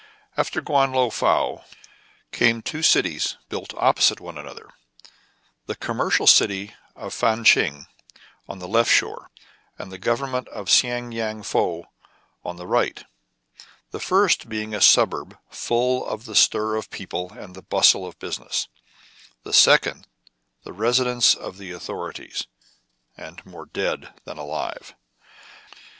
After Guan Lo Fou, came two cities built op posite one another, — the commercial city of Fan Tcheng on the left shore, and the government of Siang Yang Fou on the right, — the first being a suburb full of the stir of people and the bustle of business ; the second, the residence of the authori ties, and more dead than alive.